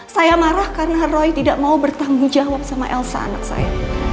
saya marah karena roy tidak mau bertanggung jawab sama elsa anak saya